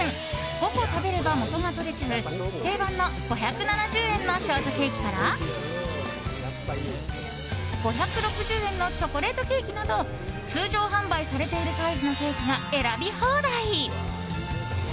５個食べれば元が取れちゃう定番の５７０円のショートケーキから５６０円のチョコレートケーキなど通常販売されているサイズのケーキが選び放題。